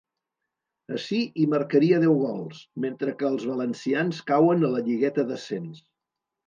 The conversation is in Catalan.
Ací hi marcaria deu gols, mentre que els valencians cauen a la lligueta d'ascens.